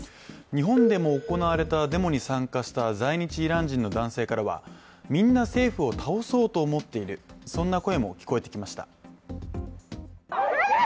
日本でも行われたデモに参加した在日イラン人の男性からは、みんな政府を倒そうと思っているそんな声も聞こえてきました。